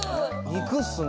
肉っすね。